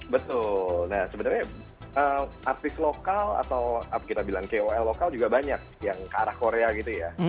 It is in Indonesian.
betul nah sebenarnya artis lokal atau kita bilang kol lokal juga banyak yang ke arah korea gitu ya